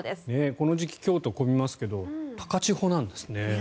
この時期京都は混みますけど高千穂なんですね。